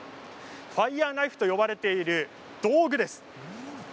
ファイヤーナイフと呼ばれている道具です。